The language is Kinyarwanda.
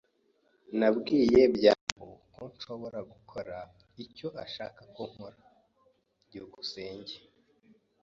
Nabwiye byambo ko nshobora gukora icyo ashaka ko nkora. byukusenge